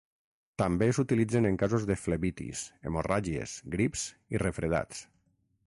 També s'utilitzen en casos de flebitis, hemorràgies, grips i refredats.